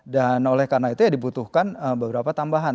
dan oleh karena itu ya dibutuhkan beberapa tambahan